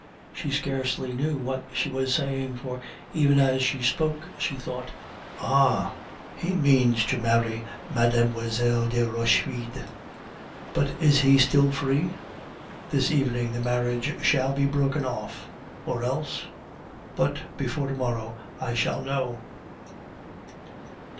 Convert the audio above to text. She scarcely knew what she was saying, for even as she spoke she thought, "Ah! he means to marry Mlle. de Rochefide? But is he still free? This evening the marriage shall be broken off, or else... But before to morrow I shall know."